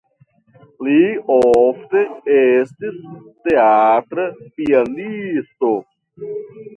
Li ofte estis teatra pianisto.